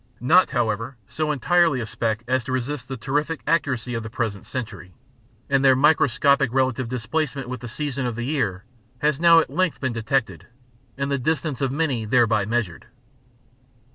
Not, however, so entirely a speck as to resist the terrific accuracy of the present century, and their microscopic relative displacement with the season of the year has now at length been detected, and the distance of many thereby measured.